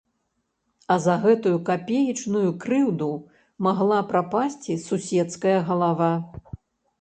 А за гэтую капеечную крыўду магла прапасці суседская галава.